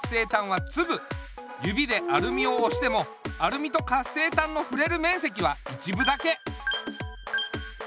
指でアルミをおしてもアルミと活性炭のふれるめんせきは一部だけ。